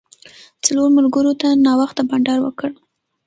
څلورو ملګرو تر ناوخته بانډار وکړ.